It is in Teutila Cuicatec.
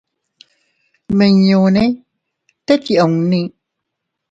Nmiñune tet yunni.